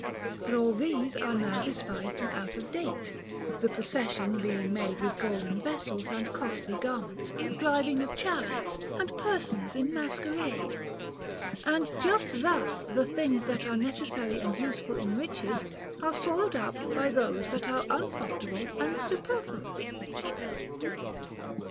But all these are now despised * Hesiod, Works and Days, 45. 304 OF THE LOVE OF WEALTH. and out of date, the procession being made with golden vessels and costly garments, driving of chariots and persons in masquerade. And just thus the things that are neces sary and useful in riches are swallowed up by those that are unprofitable and superfluous.